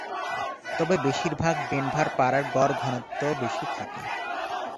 তবে বেশিরভাগ ডেনভার পাড়ায় গড় ঘনত্ব বেশি থাকে।